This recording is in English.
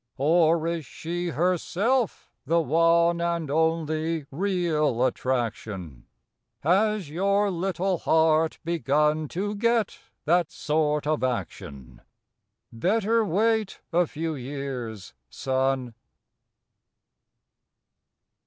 Or is she herself the one And only real attraction? Has your little heart begun To get that sort of action? Better wait a few years, son.